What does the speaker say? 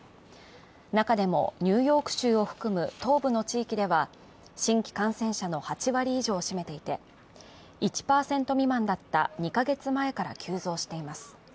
中でもニューヨーク州を含む東部の地域では、新規感染者の８割以上を占めていて１％未満だった２か月前から急増しています。